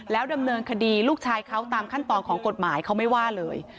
ดำเนินคดีลูกชายเขาตามขั้นตอนของกฎหมายเขาไม่ว่าเลย